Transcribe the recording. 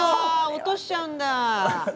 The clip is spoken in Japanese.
落としちゃうんだ。